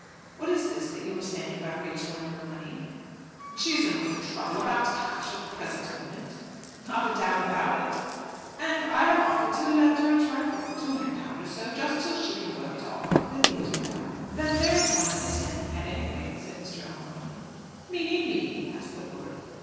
What is this that you were saying about Rachel and her money?" "She is in a little trouble about cash at the present moment." "Not a doubt about it." "And I have offered to lend her a trifle £200 or so, just till she can work it off up at the theatre there." "Then there is one of the ten at any rate," said Mr. O'Mahony. "Meaning me?" asked the lord.